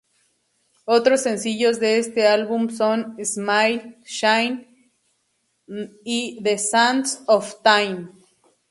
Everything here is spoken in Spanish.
Otros sencillos de este álbum son: "Smile 'n' Shine" y "The Sands Of Time".